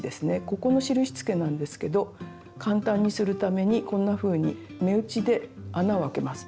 ここの印つけなんですけど簡単にするためにこんなふうに目打ちで穴を開けます。